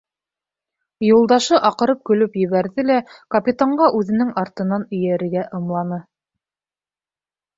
Юлдашы аҡырып көлөп ебәрҙе лә капитанға үҙенең артынан эйәрергә ымланы.